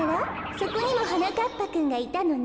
そこにもはなかっぱくんがいたのね。